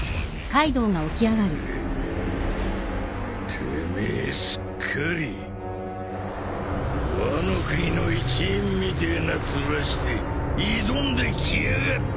てめえすっかりワノ国の一員みてえな面して挑んできやがって。